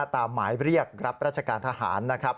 หมายเรียกรับราชการทหารนะครับ